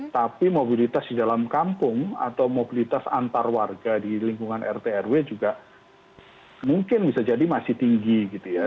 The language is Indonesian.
tapi mobilitas di dalam kampung atau mobilitas antar warga di lingkungan rt rw juga mungkin bisa jadi masih tinggi gitu ya